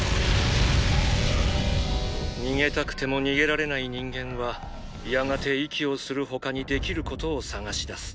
逃げたくても逃げられない人間はやがて息をする他にできることを探し出す。